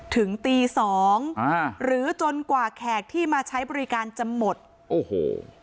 ถึงตีสองอ่าหรือจนกว่าแขกที่มาใช้บริการจะหมดโอ้โห